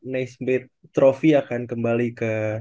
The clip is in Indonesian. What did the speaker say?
next trophy akan kembali ke